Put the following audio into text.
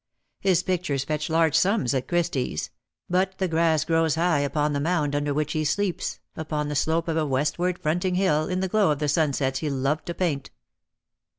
His pictures fetch large sums at Christie's ; but the grass grow? high upon the mound under which he sleeps, upon Lost for Love. 145 the slope of a westward fronting hill, in the glow of the sunsets he loved to paint."